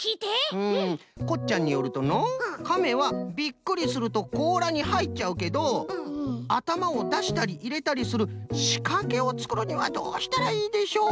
こっちゃんによるとのう「カメはびっくりするとこうらにはいっちゃうけどあたまをだしたりいれたりするしかけをつくるにはどうしたらいいでしょう？」とのことです。